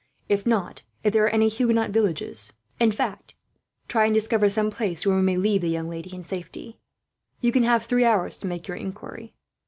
If not, if there are any Huguenot villages. In fact, try and discover some place where we may leave the young lady in safety. You can have three hours to make your inquiry.